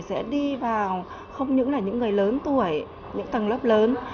sẽ đi vào không những là những người lớn tuổi những tầng lớp lớn